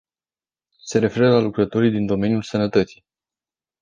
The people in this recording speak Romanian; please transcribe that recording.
Se referă la lucrătorii din domeniul sănătății.